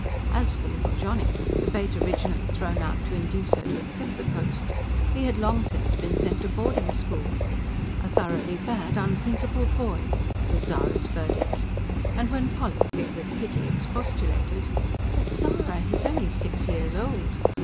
As for little Johnny the bait originally thrown out to induce her to accept the post he had long since been sent to boarding school. "A thoroughly bad, unprincipled boy!" was Zara's verdict. And when Polly, big with pity, expostulated: "But Zara, he is only six years old!"